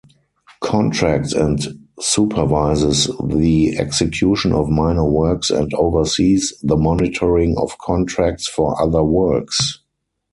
Contracts and supervises the execution of minor works and oversees the monitoring of contracts for other works.